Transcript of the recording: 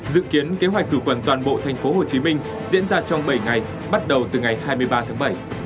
dự kiến kế hoạch khử khuẩn toàn bộ tp hcm diễn ra trong bảy ngày bắt đầu từ ngày hai mươi ba tháng bảy